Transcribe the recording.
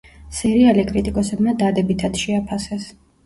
სერიალი კრიტიკოსებმა დადებითად შეაფასეს.